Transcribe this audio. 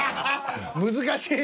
難しい！